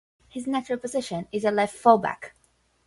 His natural position is at left fullback.